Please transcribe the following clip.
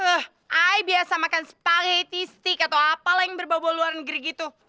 eh ay biasa makan spaghetti stick atau apalah yang berbobol luar negeri gitu